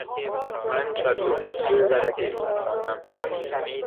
من کدو سبز ورقه ای می خواهم.